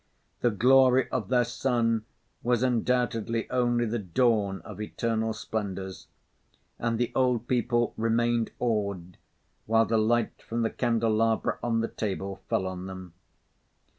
The glory of their son was undoubtedly only the dawn of eternal splendours, and the old people remained awed while the light from the candelabra on the table fell on them.